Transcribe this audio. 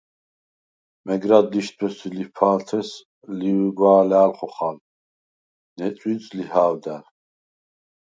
მეგრად ლიშდვეს ი ლიფა̈ლთეს ლიგვა̄ლა̄̈ლ ხოხალ, ნეწვიდს − ლიჰა̄ვდა̈რ.